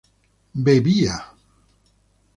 bebía